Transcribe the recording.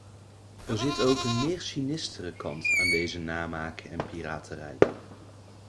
Er zit ook een meer sinistere kant aan deze namaak en piraterij.